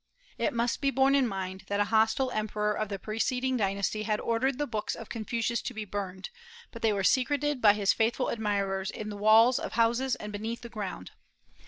It must be borne in mind that a hostile emperor of the preceding dynasty had ordered the books of Confucius to be burned; but they were secreted by his faithful admirers in the walls of houses and beneath the ground.